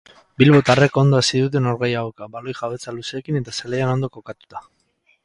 Bilbotarrek ondo hasi dute norgehiagoka, baloi jabetza luzeekin eta zelaian ondo kokatuta.